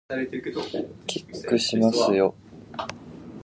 キックしますよ